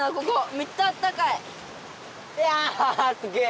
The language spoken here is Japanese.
めっちゃあったかい！やすげえ！